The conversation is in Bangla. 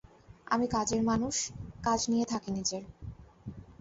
আমি কাজের মানুষ, কাজ নিয়ে থাকি নিজের।